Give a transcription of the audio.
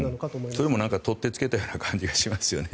それも取ってつけたような感じがしますよね。